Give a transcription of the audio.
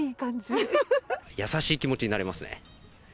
優しい気持ちになれますね。